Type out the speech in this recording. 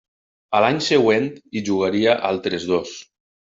A l'any següent hi jugaria altres dos.